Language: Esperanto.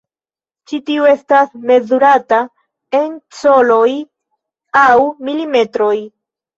Ĉi tiu estas mezurata en coloj aŭ milimetroj.